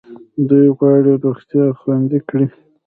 دوی غواړي روغتیا خوندي کړي.